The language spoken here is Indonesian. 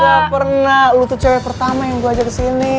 gak pernah lo tuh cewek pertama yang gue ajak kesini